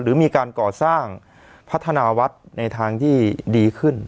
หรือมีการก่อสร้างพัฒนาวัดในทางที่ดีขึ้น